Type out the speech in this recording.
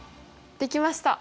できました。